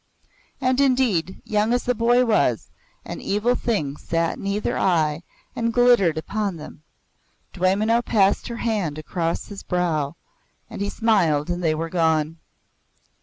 And indeed, young as the boy was, an evil thing sat in either eye and glittered upon them. Dwaymenau passed her hand across his brow, and he smiled and they were gone.